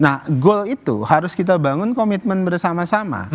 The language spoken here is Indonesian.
nah goal itu harus kita bangun komitmen bersama sama